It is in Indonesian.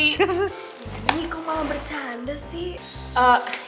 ini kok malah bercanda sih